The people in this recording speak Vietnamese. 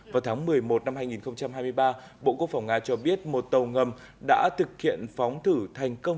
vào tháng một mươi một năm hai nghìn hai mươi ba bộ quốc phòng nga cho biết một tàu ngầm đã thực hiện phóng thử thành công